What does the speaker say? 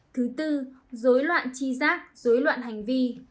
thứ tư dối loạn chi giác dối loạn hành vi